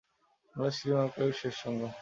Bangladesh film আর্কাইভে শেষ সংগ্রাম